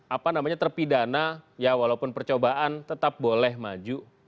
apa namanya terpidana ya walaupun percobaan tetap boleh maju